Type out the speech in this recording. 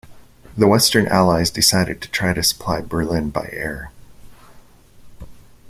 The Western allies decided to try to supply Berlin by air.